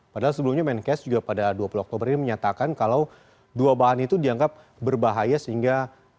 padahal sebelumnya menkes juga pada dua puluh oktober ini menyatakan kalau dua bahan itu dianggap berbahaya sehingga